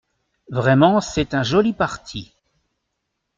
Vraiment c’est un joli parti !